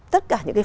tất cả những cái